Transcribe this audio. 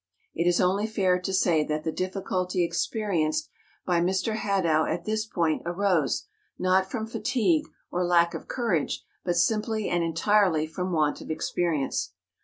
It is onl}' fair to say that the difficulty experienced by Mr. Hadow at this part arose, not from fatigue or lack of courage, but simply and entirely from want of experience.